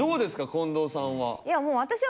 近藤さんは。